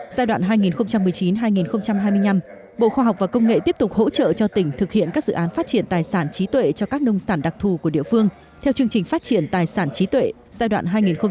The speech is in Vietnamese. giai đoạn hai nghìn một mươi chín hai nghìn hai mươi năm bộ khoa học và công nghệ tiếp tục hỗ trợ cho tỉnh thực hiện các dự án phát triển tài sản trí tuệ cho các nông sản đặc thù của địa phương theo chương trình phát triển tài sản trí tuệ giai đoạn hai nghìn một mươi một hai nghìn hai mươi